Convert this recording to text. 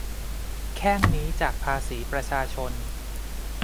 แข้งนี้จากภาษีประชาชน